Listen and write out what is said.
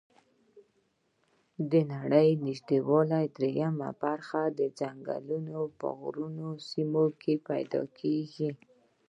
د نړۍ نږدي دریمه برخه ځنګلونه په غرنیو سیمو کې پیدا کیږي